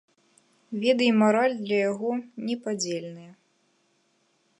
Веды і мараль для яго непадзельныя.